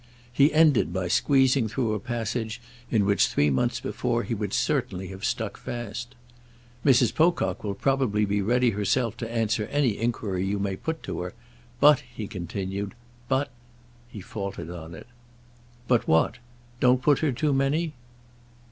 He ended by squeezing through a passage in which three months before he would certainly have stuck fast. "Mrs Pocock will probably be ready herself to answer any enquiry you may put to her. But," he continued, "but—!" He faltered on it. "But what? Don't put her too many?"